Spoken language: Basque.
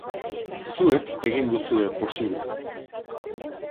Zuek egin duzue posible.